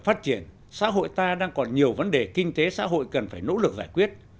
phát triển xã hội ta đang còn nhiều vấn đề kinh tế xã hội cần phải nỗ lực giải quyết